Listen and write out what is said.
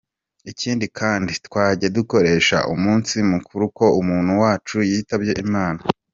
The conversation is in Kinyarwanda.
Ikindi kandi, twajya dukoresha umunsi mukuru ko umuntu wacu yitabye imana.